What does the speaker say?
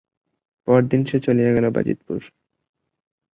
পরদিন সে চলিয়া গেল বাজিতপুর।